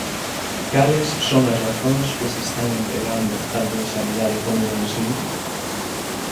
¿Cales son as razóns que se están empregando, tanto en sanidade como no ensino?